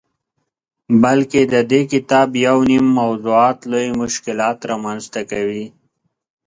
بلکه ددې کتاب یونیم موضوعات لوی مشکلات رامنځته کوي.